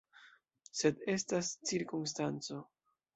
Sed estas cirkonstanco.